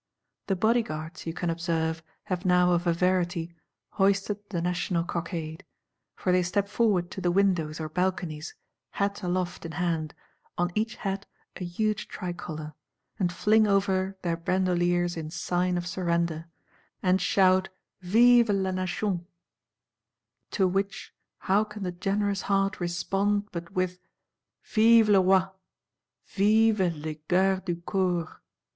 The Bodyguards, you can observe, have now of a verity, "hoisted the National Cockade:" for they step forward to the windows or balconies, hat aloft in hand, on each hat a huge tricolor; and fling over their bandoleers in sign of surrender; and shout Vive la Nation. To which how can the generous heart respond but with, _Vive le Roi; vivent les Gardes du Corps?